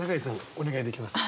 お願いできますか？